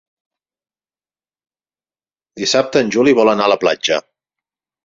Dissabte en Juli vol anar a la platja.